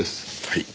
はい。